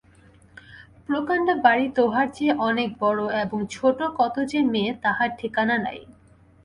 প্রকাণ্ড বাড়ি-তোহার চেয়ে অনেক বড়ো এবং ছোটো কত যে মেয়ে, তাহার ঠিকানা নাই।